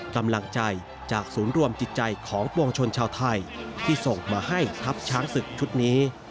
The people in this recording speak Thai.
กำลังใจจากศูนย์รวมจิตใจของปวงชนชาวไทยที่ส่งมาให้ทัพช้างศึกชุดนี้